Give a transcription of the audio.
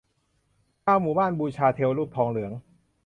ชาวหมู่บ้านบูชาเทวรูปทองเหลือง